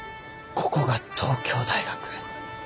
ここが東京大学。